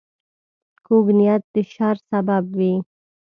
کوږ نیت د شر سبب وي